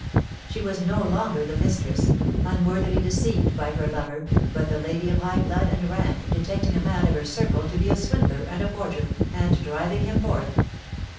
She was no longer the mistress, unworthily deceived by her lover, but the lady of high blood and rank detecting a man of her circle to be a swindler and a forger, and driving him forth.